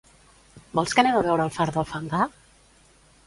Vols que anem a veure el far del Fangar?